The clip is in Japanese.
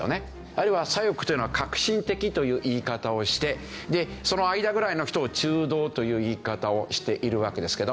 あるいは左翼というのは革新的という言い方をしてでその間ぐらいの人を中道という言い方をしているわけですけど。